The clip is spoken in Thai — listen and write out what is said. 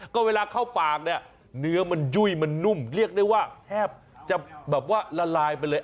ก็เวลาเข้าปากเนี่ยเนื้อมันยุ่ยมันนุ่มเรียกได้ว่าแทบจะแบบว่าละลายไปเลย